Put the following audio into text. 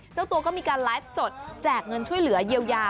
เจ้าตัวก็มีการไลฟ์สดแจกเงินช่วยเหลือเยียวยา